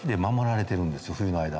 冬の間。